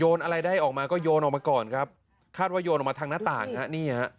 อะไรได้ออกมาก็โยนออกมาก่อนครับคาดว่าโยนออกมาทางหน้าต่างฮะนี่ฮะ